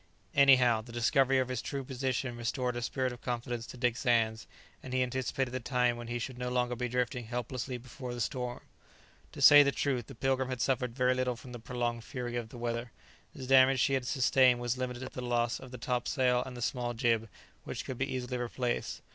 Anyhow, the discovery of his true position restored a spirit of confidence to Dick Sands, and he anticipated the time when he should no longer be drifting helplessly before the storm. To say the truth, the "Pilgrim" had suffered very little from the prolonged fury of the weather. The damage she had sustained was limited to the loss of the topsail and the small jib, which could be easily replaced.